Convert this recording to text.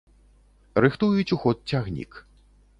Рыхтуюць у ход цягнік.